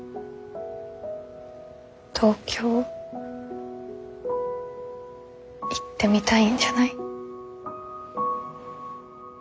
東京行ってみたいんじゃない？